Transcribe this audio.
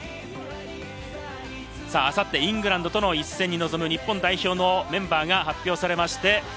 イングランドとの一戦に臨む日本代表のメンバーが発表されました。